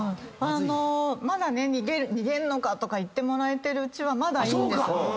まだ「逃げんのか」とか言ってもらえてるうちはまだいいんです。